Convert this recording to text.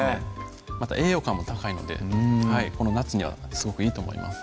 また栄養価も高いのでこの夏にはすごくいいと思います